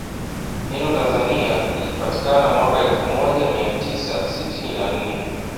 Neno Tanzania lilpatikana mwaka elfu moja mia tisa sitini na nne